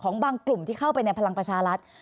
บางกลุ่มที่เข้าไปในพลังประชารัฐ